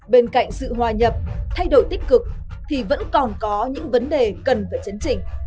bên cạnh sự hòa nhập thay đổi tích cực thì vẫn còn có những vấn đề cần phải chấn chỉnh